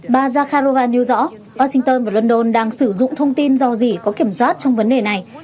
bà zakharova nêu rõ washington và london đang sử dụng thông tin do gì có kiểm soát trong vấn đề này